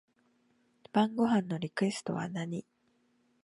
晩ご飯のリクエストは何